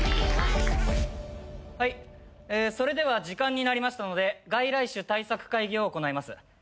それでは時間になりましたので外来種対策会議を行います。